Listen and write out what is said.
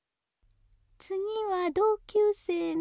次は同級生の。